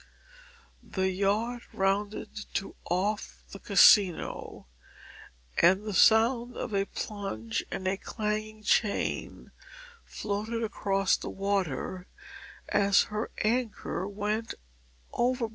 The yacht rounded to off the Casino, and the sound of a plunge and a clanking chain floated across the water as her anchor went overboard.